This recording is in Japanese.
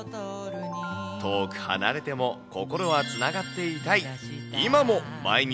遠く離れても、心はつながっていたい。